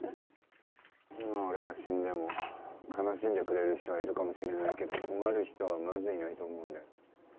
今、俺が死んでも悲しんでくれる人はいるかもしれないけど困る人はまずいないと思うんだよね。